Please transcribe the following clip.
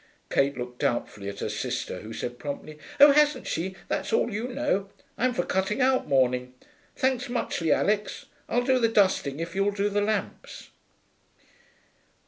Kate looked doubtfully at her sister, who said promptly, 'Oh, hasn't she? That's all you know. I'm for a cutting out morning. Thanks muchly, Alix; I'll do the dusting if you'll do the lamps.'